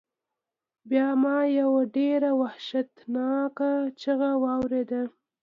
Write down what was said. بیا ما یو ډیر وحشتناک چیغہ واوریده.